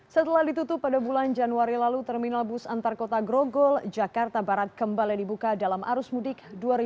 setelah ditutup pada bulan januari lalu terminal bus antar kota grogol jakarta barat kembali dibuka dalam arus mudik dua ribu dua puluh